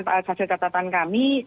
sasaran catatan kami